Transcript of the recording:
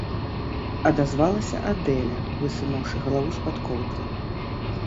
- адазвалася Адэля, высунуўшы галаву з-пад коўдры.